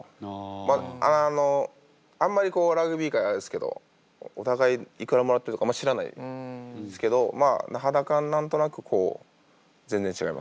まああのあんまりラグビー界はあれですけどお互いいくらもらってるとかあんま知らないんですけどまあ肌感何となくこう全然違います。